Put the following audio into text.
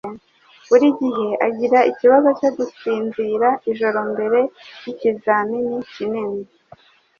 buri gihe agira ikibazo cyo gusinzira ijoro mbere yikizamini kinini.